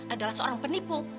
adalah seorang penipu